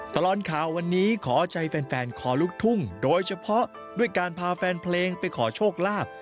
ตลอดข่าววันนี้ขอใจแฟนขอลูกทุ่งโดยเฉพาะด้วยการพาแฟนเพลงไปขอโชคลาภ